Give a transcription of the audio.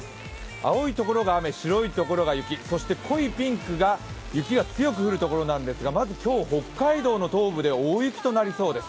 青いところが雨、白いところが雪、そして濃いピンクが雪が強く降るところなんですがまず今日、北海道の東部で大雪となりそうです。